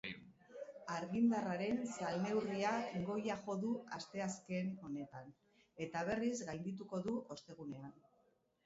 Argindarraren salneurriak goia jo du asteazken honetan, eta berriz gaindituko du ostegunean.